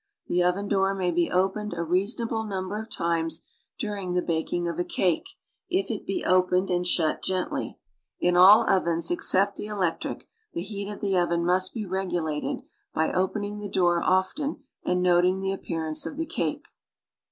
The oven door may be opened a reasonable num ber of times during the baking of a cake, if it be opened and shut gently. In •^ all ovens ex cept the elec tric, the heat of the oven must be regulated by open ing the door often and noting the appearance of the cake.